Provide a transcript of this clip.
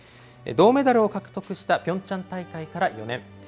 銅メダルを獲得したピョンチャン大会から４年。